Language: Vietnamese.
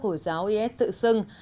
hồi giáo is tự xưng